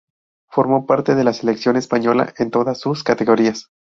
Formó parte de la selección española en todas su categorías.